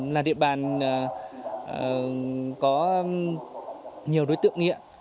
là địa bàn có nhiều đối tượng nghiệp